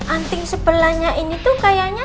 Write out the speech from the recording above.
anting sebelahnya ini tuh kayaknya